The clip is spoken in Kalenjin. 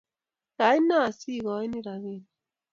Kaine asigonii robinik?